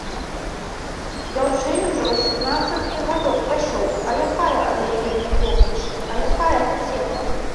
Дзяўчыне ўжо васемнаццаткі гадок пайшоў, а якая ад яе мне помач, а якая пацеха?!